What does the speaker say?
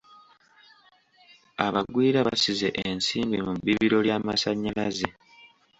Abagwira basize ensimbi mu bibbiro ly'amasannyalaze.